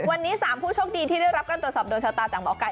วันนี้๓ผู้โชคดีที่ได้รับการตรวจสอบโดนชะตาจากหมอไก่